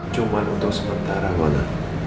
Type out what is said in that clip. cuma untuk sementara mona